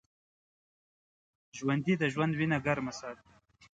ژوندي د ژوند وینه ګرمه ساتي